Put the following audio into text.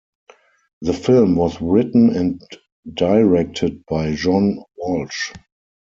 The film was written and directed by John Walsh.